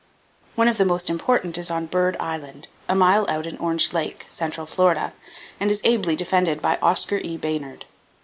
One of the most important is on Bird Island, a mile out in Orange Lake, central Florida, and it is ably defended by Oscar E. Baynard.